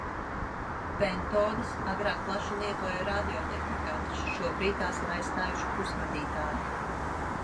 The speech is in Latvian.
Pentodes agrāk plaši lietoja radiotehnikā, taču šobrīd tās ir aizstājuši pusvadītāji.